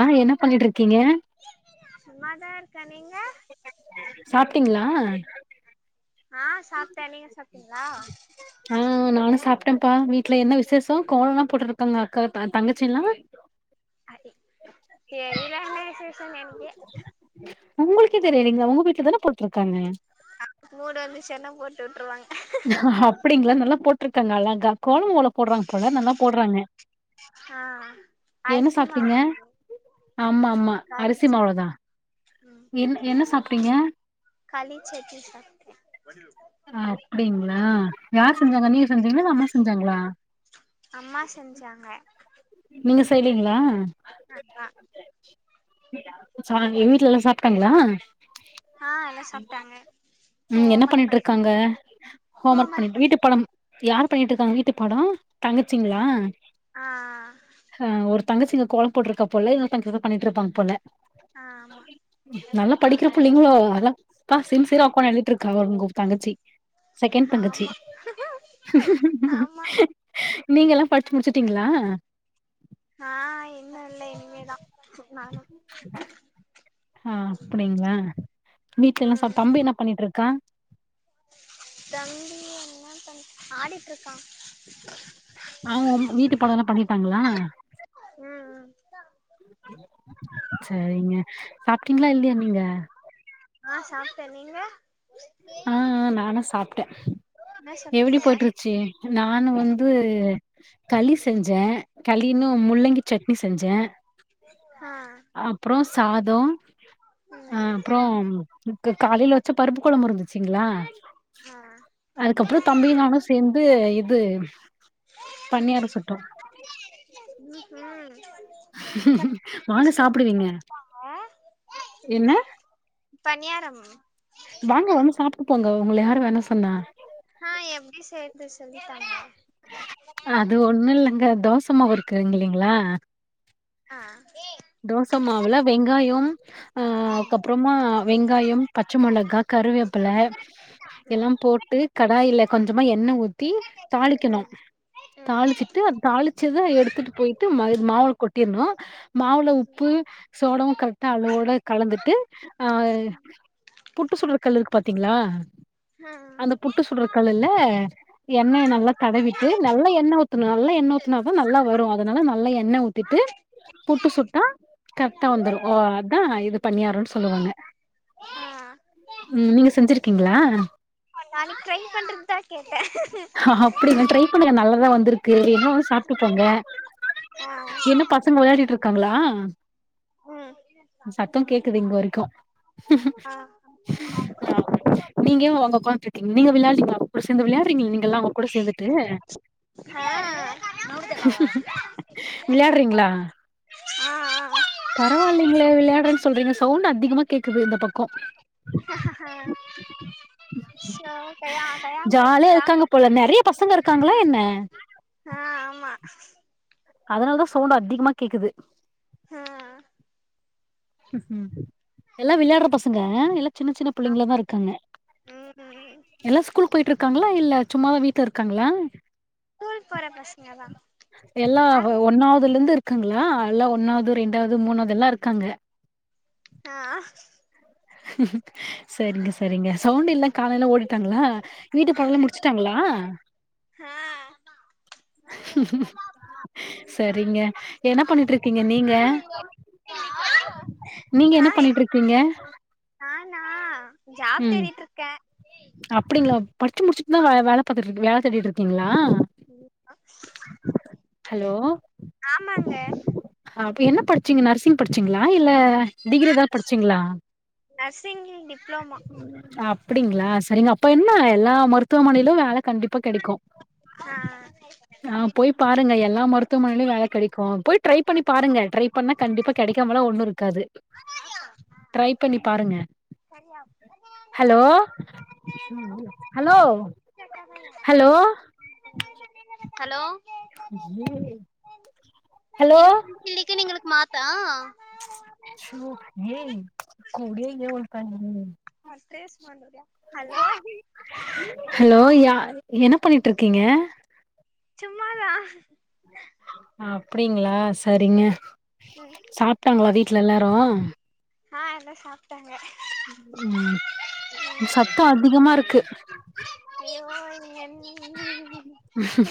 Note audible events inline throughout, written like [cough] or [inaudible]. ஆஹ் என்ன பண்ணிட்டு இருக்கீங்க [unintelligible] சாப்ட்டீங்களா ஆஹ் சாப்பிட்டே நீங்க சாப்பிட்டீங்களா டப்பா வீட்டு்ல என்ன விசேஷம் கோலல்லா போட்டுக்கிட்டு இருக்காங்க அக்கா தங் தங்கச்சில்லா தெரில [unintelligible] உங்களுக்கே தெரியலீங்களா உங்க வீட்டுல தான போட்டிருக்காங்க மூடு வந்துச்சுன்னா போட்டு விட்டுருவாங்க அப்டிங்களா [unintelligible] கோலம் ல போடுறாங்க போல நல்லா போடுறாங்க ஆ என்ன அரிசி சாப்ட்டீங்க மாவு ஆமா ஆமா களி அரிசி மாவுலதா ம் என்ன என்ன சாப்பி டீங்க களி சட்னி சாப்ட்ட அப்டிங்களா யார் செஞ்சாங்க நீங்க செஞ்சீங்களா இல்ல அம்மா செஞ்சாங்களா அம்மா செஞ்சாங்க நீங்க செய்லீங்களா [unintelligible] சோ அங்க வீட்டுல எல்லா சாப்டாங்களா ஆஹ் எல்லா சாப்பிட்டாங்க உம் என்ன பண்ணிட்டு இருக்காங்க ஹோம் ஒர்க் பண்ணிட்டு வீட்டு பாடம் யார் பண்ணிட்டு இருக்காங்க வீட்டு பாடோ தங்கச்சிங்களா ஆ அ ஒருத் தங்கச்சிங்க கோலம் போட்டுருக்கா போல இல்ல தங்கான் பண்ணிட்டு இருப்பாங்க போல ஆ ஆமா நல்லா படிக்கிற பிள்ளைங்களோ அதா பஸ் உக்காந்து எழுதிட்டு இருக்கா உங்க தங்கச்சி செகண்ட் தங்கச்சி ஆமா ஆமா நீங்க எல்லா படிச்சு முடிச்சுட்டீங்களா ஆஹ் இன்னு இல்ல இனிமேதா நானு அஹ் அப்டிங்களா ம் வீட்ல எல்லாம் சா ம் தம்பி என்ன பண்ணிட்டு இருக்க ஆடிட்டு இருக்கா ஆ வீட்டு படம் எல்லா பண்ணிடாங்களா ம் ம் சரிங்க சாப்பிட்டீங்களா இல்லையா நீங்க ஆஹ் சாப்டேன் நீங்க ஆஹ்ஹ் நானு சாப் ட்ட என்ன எப்புடி சாப்ட்டீங்க போயட்டுருச்சு நா நானு வந்து களி செஞ்சேன் களின்னு முள்ளங்கி சட்னி செஞ்சேன் ஆ அப்றோ சாதோ ம் அஹ் அப்புறோம் காலையில வச்ச பருப்பு குழம்பு இருந்துச்சுங்களா அதுக்கப்றோ தம்பி நானு சேர்ந்து இது பன்னியாறொ சுட்டோ உம் வாங்க சாப்பிடுவீங்க என்ன பன்யாரம் வாங்க வந்து சாப்பிட்டு போங்க உங்க ய ஆஹ் எப்டி சேய் டே வட அது ஒண்ணுல்லங்க தோசமாவுறுக்குல்லிங்ளா ஆ தோசமாவுல வெங்காயம் அ ம் அதுக்கப்றோமா வெங்காயம் பச்ச மிளகா கருவேப்பில எல்லா போட்டு ம் கடாயில கொஞ்சமா என்ன ஊத் தி தாளிக்கணு தாளிச்சிட்டு அத தாளிச்சத எடுத்துட்டு போயிட்டு மை மாவ் கொட் என்னா மாவுள உப்பு சோடவு கரெக்டா அளவோட கலந்துட்டு ஆ புட்டுசுட்ற கல்லு இருக்கு பாத்தீங்ளா ம் அந்த புட்டு ம் சுட்றகல்லுல எண்ணைய நல்லா தடவிட்டு நல்ல எண்ண ஊத்தனு நல்லா எண்ன ஊத்துனாதா நல்லா வரு அதனால நல்லா எண்ண ஊத் துட்டு புட்டு ம் சுட்டா கரக்டா வந்துரு ஓ அதா இது பணியாரனு சொல்வாங்க ஆ உம் நீங்க செஞ் ருக்கீங்களா நாளைக் ட்ரை பண்ட் ந்த ஹஹ அப்டிங்க ட்ரை பண்ண நல்லாதா வந்திருக்கு வேனா வந்து சாப்ட்டுபோங்க ஆ என்ன பசங்க விளையாடிட் இருக்காங்ளா ம் சத்தொ கேக்குது இங்க வரைக்கு [inaudible] ஆ நீங்க ஒங் ஒக்காட்ருக்கீங் நீங்க விளயாட்றிங்களா அப்ப கூட சேந்து விளயாட்றிங் கல்லா அவங் கூட சேந்துட்டு ஆ விளையாட்றீங்ளா ஆ ஆ பரவாயில்லிங்களே விளையாடுறன் சொ சொல்றீங்க சவுண்ட் அதிகமா கேக்குது இந்த பக்கோ சோ கயா கயாங் கத்துக்றா உள்ள நெறைய பசங்க இருக்காங்களா என்ன ஆ [inaudible] அதனாலதா சவுண்ட் அதிகமா கேக்குது ஆ எல்லா விளையாட்ற பசங்க எல்லா சின்ன சின்ன ஆமா புள்ளைங்களாதா இருக்காங்க ம் எல்லா ஸ்கூல் போயிட்டுருக் க்காங்களா இல்ல சும்மாதா வீட்ல இருக்காங்ளா ஸ்கூல் போற பசங்கதா எல்லா ஒ ஒன்னாவதுலந்து இர்க்காங்ளா எல்லா ஒன்னாவது ரெண்டாவது மூணாவது எல்லா இர்க்காங்க ஆ சரிங்க சரிங்க சவுண்ட் இல்ல காலயிலா ஓடிட்டாங்ளா வீட்டு பாடலா முடிச்சிட்டாங்ளா சரிங்க என்னா பண்ணிட்ருக்கீங்க நீங்க நீங்க ஆ என்ன பண்ணிட்ருக்கீங்க நானா ஜாப் தேடிட்ருக்க அப்டிங்களா படிச்சு முடிச்சிட்தா வே வேல பாத்துட் இருக்கு வேல தேடிட் இருக்கீங்ளா ஹலோ ஆமாங்க அப்டி என்ன படிச்சீங்க நர்சிங் படிச்சீங்களா இல்ல டிகிரி எதா படிச்சீங்களா டிப்ளமோ அப்டிங்களா சரிங்க அப்ப என்ன எல்லா மருத்துவமனையிலு வேல கண்டிப்பா கெடைக்கு ஆ ஆ போய் பாருங்க எல் எல்லா மருத்துவமனையிலு வேல கெடைக்கு போய் ட்ரை பண்ணி பாருங்க ட்ரை பண்ணா கண்டிப்பா கெடைக்காமல ஒண்ணு இருக்காது ட்ரை பண்ணி பாருங்க ஹலோ ஹலோ ஹலோ ஹலோ ஏய் [unintelligible] [unintelligible] ஸ்டேஸ் ஹலோ ஹலோ யா என்ன பண்ணிட்டு இருக்கீங்க சும்மாதா ங்களா சரிங்க சாப்ட்டாங்களா வீட்ல எல்லாரு ஆ எல்லா சாப்ட்டாங்க உம் ம் சத்தோ அதிகமா இருக்கு என் ம்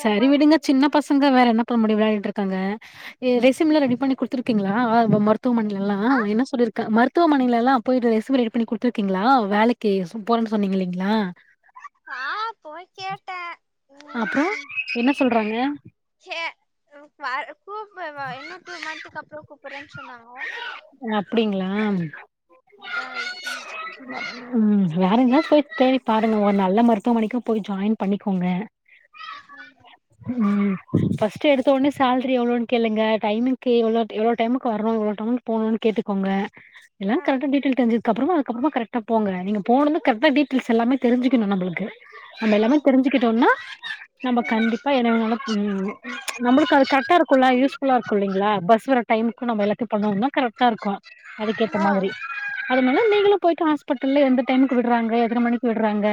சரி விடுங்க சின்ன பசங்க வேற என்ன இப்ப முடி விளாடிட் இருக்காங்க எ ரெஸ்யுமில்ல ரெடி பண்ணி குடுத்துருக்கீங்களா அ மறுத் துமனையில்லா ஆ என்ன சொல்லிருக்கன் மருத்து துவமனையிலெல்லா போயிட்டு ரெஸ்யும் ரெடி பண்ணி குடுத்துருக்கீங்களா வேலைக்கு போறேன்னு சொன்னீங் இல்லீங்களா ஆ போய் கேட்டே அப்றோ ம் என்ன சொல்றாங்க [unintelligible] ப்பூபேவா எனக்கு மடிக் அப்றோ கூப்பறே சொன்னங்க ஓகே ஆம் ம் பாய் வேற எங்காச் போய் தேடி பாருங்க ஒரு நல்ல மருத்துவமனைக்கு போய் ஜாயின் பண்ணிக்கோங்க உம் [unintelligible] ஃபஸ்டு எடுத்த ஒன்னே சாலரி எவ்ளோனு கேளுங்க, டைமுக்கு எவ்ளோ, எவ்ளோ டைமுக்கு வரனு [inaudible] போனுனு கேட்டுக்கோங்க எல்லா கரெக்ட் டீடெய்ல் தெரிஞ்ச கப்பறமா அதுக்கப்பறமா கரெக்டா போங்க நீங்க போனும்னு கரெக்டா டீடெய்ல் எல்லாமே தெரிஞ்சிக்கணும் நம்பளுக்கு நம்ப எல்லாமே தெரிஞ்சுக்கிட்டோனா நம்ப வெயிட் கண்டிப்பா என்னைனால ச்சு நமளுக்கு அது கரெக்டா இருக்குல்ல யூஸ்புல்லா இருக்குல்லிங்ளா பஸ் வரடைமுக்கு நம்ம எல்லா நான்னா கரெக்டா இருக்கு அதுக்கேத்த ஆ ஆ ம் மாதிரி அதுனால நீ ல போயிட்டு ஹாஸ்பிட்டல்ல எந்த டைமுக்கு விடுறாங்க எத்தன மணிக்கு விடுறாங்க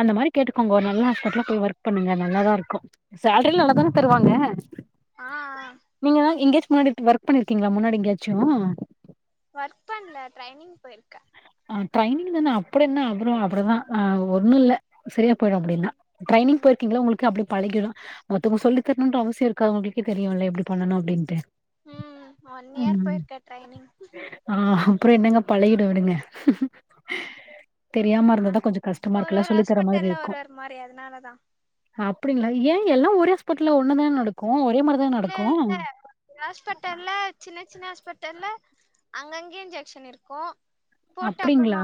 அந்த மாரி கேட்டுக்கோங்கோ ஒரு நல்ல ஹாஸ்பிட்டல்லா போய் ஒர்க் பண்ணுங்க நல்லாதான் இருக்கும் சேலரி நல்லாதானே தருவாங்க ஆ ஆ ஆ நீங்கதா இங்க [inaudible] வொர்க் பண்ணி இருக்கீங்களா முன்னாடி எங்கயாச்சும் ஒர்க் பண்ல ட்ரைனிங் போயிருக்கே ஆ ட்ரைனிங் தான அப்டி என்ன அப்புறம் அப்புடிதான் ஹங் ஒன்னு இல்ல சரியா போயிடும் ம் அப்டின்னா ம் ட்ரைனிங்போயிருக்கீங்கள்ள உங்களுக்கு அப் பழகிடும் மத்தவங்க சொல்லித்தரணுன்ற அவசியம் இருக்கா அவங்கக்கே தெரியுல எப்டி பண்ணணு அப்டின்ட்டு ஒன் இயர் போயிருக்க ட்ரைனிங் ஆ அப்புறோ என்னங்க பழகிடு விடுங்க ஹ்ஹ்ம்.... ஹ.... தெரியாம இருந்தாதா கொஞ்சோ கஷ்டமா இருக்கு ஒரு எல்லா ஒரு சொல்லித் தர்ர மாரி ஹாஸ்பிட்டல்ல இருக்கு ஒரு ஒரு மாரி அதனாலதா அப்படிங்ளா ஏ எல்லா ஒரே ஹாஸ்பிட்டல்ல ஒன்னாதான நடக்கு ஒரே மாரிதான இல்ல நடக்கு இல்ல ஹாஸ்பிட்டல்ல சின்ன சின்ன ஹாஸ்பிட்டல்ல அங்கங்கே இன்ஜெக்ஷன் இருக்கு போட்டு அப்புறமா அப்டிங்களா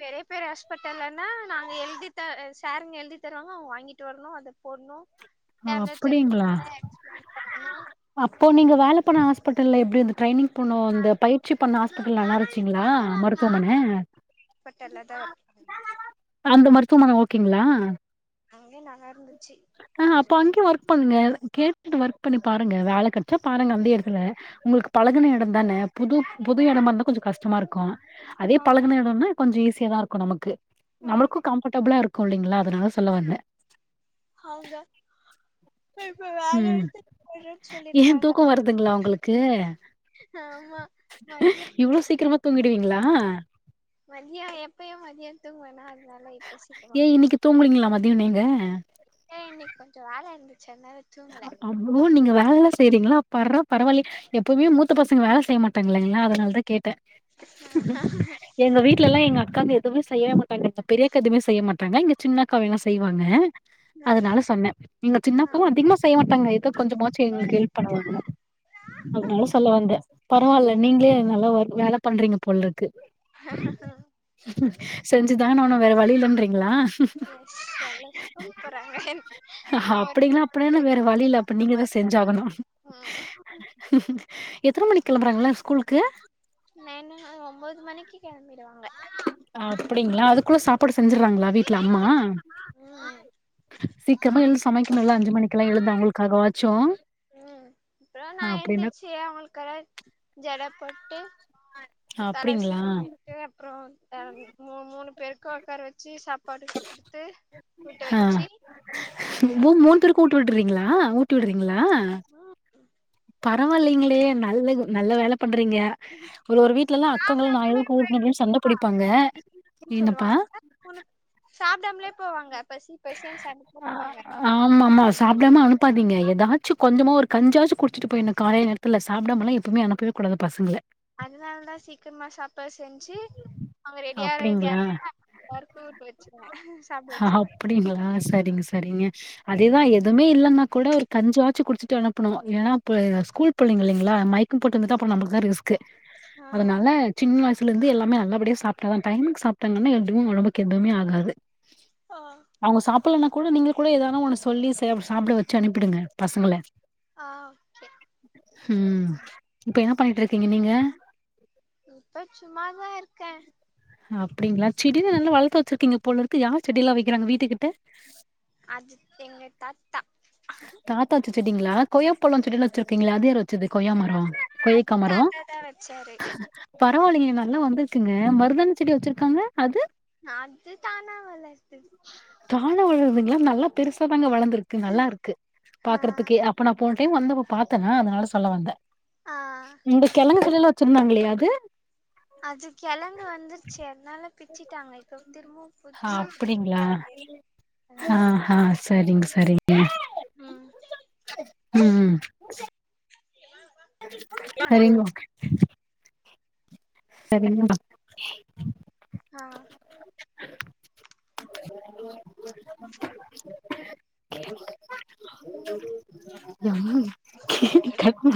பேரேப் வேற ஹாஸ்பிட்டல்லன்னா நாங்க எழுதி த சாருங்க எழுதி தருவாங்க அவ்ங்க வாங்கிட்டு வரணு அத போடுணு ஆஹ் அப்டிங்ளா பண்ணு அப்போ நீங்க வேல பண்ண ஹாஸ்பிட்டல்ல எப்டி இந்த ட்ரெய்னிங் பண்ணு அந்த பயிற்சி பண்ண ஹாஸ் ப்பிட்டல் நல்லாயிருஞ்சுங்ளா மருத்துவமன ஹாஸ்பிட்டல்ல தா ஒர்க் பண்ணே அந்த மருத்துவமன ஓகேங்ளா அங்கே நல்லாருந்துச்சு ஆஹ் அப்ப அங்கயே ஒர்க் பண்ணுங்க கேட்டுட்டு ஒர்க் பண்ணி பாருங்க வேல கிடச்சா பாருங்க அந்தே எடத்துல, உங்களுக்கு பழகுன எடந்தானே புது புது எடமா இருந்தா கொஞ்சோ கஷ்டமா இருக்கு அதே ஆ பழகுன எடம்னா கொஞ்சோ ஈஸி ஓகேதா இருக்கு நமக்கு. ம் நம்மளுக்கு கம்ஃபர்டபிளா இருக்கு இல்லைங்ளா அதனால சொல்ல வந்த அதுதா உம் எடத்துக்கு போறேன்னு ஏன் சொல்லிருக்காங்க தூக்கோ வருதுங்ளா உங்களுக்கு ஆமா மதிய இவ்ளோ சீக்கிரமா தூங்கிடுவீங்ளா மதியம் எப்பயும் மதியம் தூங்குவ நா ஏ இன்னிக்கு தூங்குலீங்களா மதியோ நீங்க ஏ இன்னைக்கு கொஞ்சோ வேல இருந்து அம்மு நீங்க வேலெல்லா செய்றீங்ளா பர்றப் பரவால்லியே எப்பவுமே மூத்த பசங்க வேல செய்ய மாட் ங்களா அதனாலதா கேட்டேன் எங்க வீட்லெல்லா எங்க அக்காங்க எதுவுமே செய்ய மாட்டாங்க இந்த பெரியக்கா எதுமே செய்ய மாட்டாங்க எங்க சின்னாக்கா வேனா செய்வாங்க அதனால சொன்ன நீங்க சின்னப்பு அதிகமா செய்ய மாட்டாங்க எதோ கொஞ்சமாச்சும் எங்களுக்கு ஹெல்ப் பண்ணுவாங்க அதனால சொல்ல வந்த பரவால்ல நீங்ளே நல்லா ஒர் வேலப் பண்றீங்க போல இருக்கு செஞ்ச் சிதான ஆவ்னும் வேற வழில்லன்றீங்ளா எஸ் எல்லா ஸ்கூல் போறாங்க நா ஒருத்திதா வீட்ல இல்லனா வேற இருக்கே வழியில்ல அப்ப தண்டமா நீங்கதான் இருக்கு அதனால செஞ்சாகணும் ம் எத்தன மணிக் கெளம்புறாங்க ளா ஸ்கூல்க்கு நைனு ஆஹ் ஒம்போது மணிக்கி கெளம்பி ஆஹ் அப்புடிங்களா அதுக்குள்ள சாப் செஞ்சிட்றாங்களா வீட்ல அம்மா ம் சீக் க்கரமா எழுந் சமெக்கணுல்ல அஞ்சு மணிக்கெல்லா எழுதா அவங்களுக்காக வாச்சும் அப்புறோ நா எந்திர்ச்சி அவங்களுக் யாராவ்து ஜட போட்டு அப்டிங்களா? தலசீவி விட்டு அப்றோம் ஆஹ்ம் மூண் மூணு பேருக்கா ஒக்கார வச்சி சாப் பாடு குடுத்து ஊட்ட ஆ வெச்சி றீங்களா ஊட்டி உடுறீங்களா ஆஹ் பரவால்லிங்களே நல்லது நல்ல வேலப் பண்றீங்க ஒரு ஒரு வீட்லெல்லா அக்காங்கள் நா சாப்டாமலே எதுக் [unintelligible] அப்டின் போயிடுவாங்களா சண்டப் புடிப்பாங்க பசின்னு என்னெப்பா சாப்டாம்லே போவாங்க பசி பசியன்ஸ் ஆம்மா ம்மா சாப்டாம அனுப் பாதிங்க ஏதாச்சுங் கொஞ்சமா ஒரு கஞ்சாச்சிக் குடிச்சிட்டு பொய்னு காலேய் நேத்துல சாப்டாமல்லா எப்போமே அனுப்பவே கூடாது பஸசங்கள அதனாலதான் சீக்கர்மா சாப் அப்டிங்களா கேப்ல எல்லாருக்கு ஊட்ட வச்சிருவே சாப்ட வச்சிருவே அப்டிங்களா செரிங்க சரிங்க அதேதான் எதுவுமே இல்லன்னா கூட ஒரு கஞ்சாச்சு குடிச்சிட்டு அனுப்பனும் ஏனப்ப ஸ்கூல் பிள்ளைங்க இல்லங்களா மைக்கம் போட்டு வீந்துட்டா அப்புறம் நமக்கு தான் ரிஸ்க் இருக்கு ஆ அதனால சின்ன வயசு ல இருந்து எல்லாமே நல்லபடியா சாப்ட்டா தான் டைமுக்கு சாப்ட்டாங்கன்னா எதுவும் ஒடம்புக்கு எதுவுமே ஆகாது ஆஹ் இப்பல்லன கூட நீங்க கூட எதனா ஒன்னு சொல்லி சே சாப்ட வச்சு அனுப்ப ப்பிடுங்க பசங்கள ஆ ஓகே ஹும் இப்ப என்ன பண்ணிட்டு இருக்கீங்க நீங்க இப்ப சும்மாதான் இருக்கன் அப்படிங்களா செடிிலான் நல்லா வளத்து வெச்சிருக்கீங்க போல இருக்கு யார் செடிலாம் வைக்கிறாங்க வீட்டுக்கிட்ட அது எங்க தாத்தா தாத்தா வச்ச செடிங்களா கொய்யா பழம் செடிலான் வெச்சிருக்கங்களே அது யாரு வச் ச்சது கொய்யா மரம் அது கொய்கா மரோ தாத்தா தா வச்சாரு பரவால்லயே நல்லா வந்துருக்குங்க மருதாணி செடி வச்சிருக்காங்க அது அத்து தானா வளர்து இல்லைங்க நல்லா பெருசா தாங்க வளர்ந்துருக்கு நல்லா இருக்கு ஆ பாக்கறதுக்கே அப்பனா போ ஒரு டைம் வந்தப்ப பாத்தனா அதனால சொல்ல வந்தே ஆ இந்த கெலங்கு செடில்லா வச்சிருந்தாங்களே அது அது கெலங்கு வந்து சேர் நல்லா பிச்சிட்டாங்க இப்போ ஆஹ் அப்டிங்களா ஆஹ் வளர்க்கணு ஆஹ் சரிங்க ச சரிங்க ம் ம் ம் அய்யய்யோ சரிங்கமா ஆஹ் யாரு கட் பண்ணு